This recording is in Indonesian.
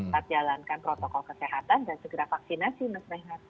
tetap jalankan protokol kesehatan dan segera vaksinasi mas rehat